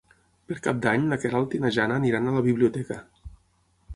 Per Cap d'Any na Queralt i na Jana aniran a la biblioteca.